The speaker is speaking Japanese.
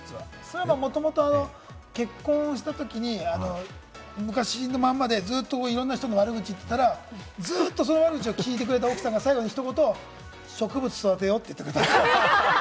もともと結婚した時に昔のまんまでずっといろんな人の悪口言ってたらずっと、その悪口を聞いてくれた奥さんが最後にひと言「植物を育てよう」って言ってくれた。